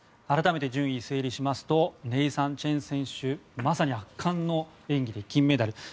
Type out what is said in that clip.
改めて順位を整理しますとネイサン・チェン選手まさに圧巻の演技で金メダル。